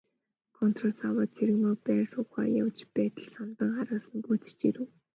Контороос гараад Цэрэгмааг байр руугаа явж байтал Самдан араас нь гүйцэж ирэв.